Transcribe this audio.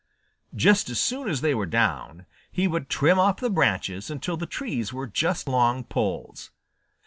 Just as soon as they were down, he would trim off the branches until the trees were just long poles.